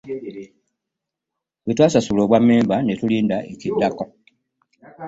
Bwe twasasula obwammemba ne tulinda ekiddako.